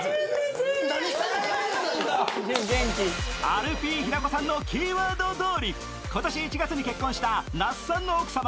アルピー・平子さんのキーワードどおり、今年１月に結婚した那須さんの奥様